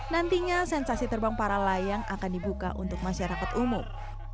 nantinya sensasi terbang para layang akan dibuka untuk masyarakat umum